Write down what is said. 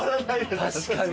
確かに。